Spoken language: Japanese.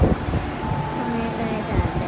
仮面ライダーです。